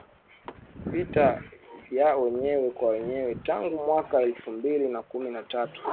vita vya wenyewe kwa wenyewe tangu mwaka elfu mbili na kumi na tatu